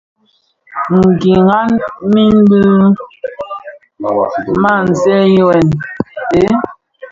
Kidhaň min bi maa seňi wêm.